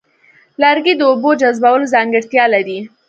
لرګي د اوبو جذبولو ځانګړتیا لري.